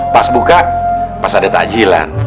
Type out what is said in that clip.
pas buka pas ada takjilan